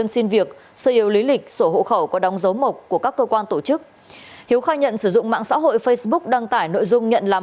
xin chào các bạn